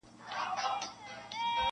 • چي د شر تخم تباه نه کړی یارانو -